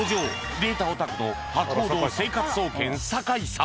データオタクの博報堂生活総研酒井さん